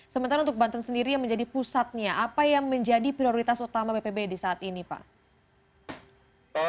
sementara untuk banten sendiri yang menjadi pusatnya apa yang menjadi prioritas utama bpbd saat ini pak